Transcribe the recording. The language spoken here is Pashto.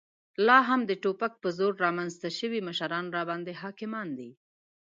لا هم د توپک په زور رامنځته شوي مشران راباندې حاکمان دي.